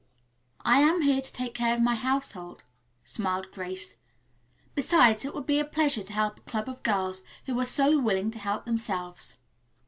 "I am here to take care of my household," smiled Grace. "Besides, it will be a pleasure to help a club of girls who are so willing to help themselves."